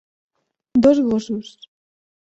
Dos gossos.